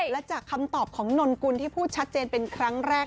และจากคำตอบของนนกุลที่พูดชัดเจนเป็นครั้งแรก